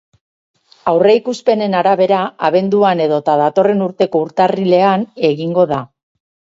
Aurreikuspenen arabera, abenduan edota datorren urteko urtarrilean egingo da.